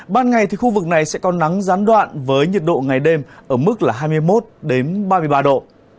ban ngày thì khu vực này sẽ có nắng gián đoạn với nhiệt độ ngày đêm ở mức là hai mươi một ba mươi ba độ